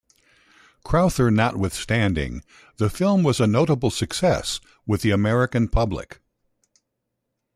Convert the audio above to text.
Crowther notwithstanding, the film was a notable success with the American public.